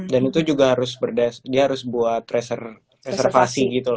itu juga harus dia harus buat reservasi gitu loh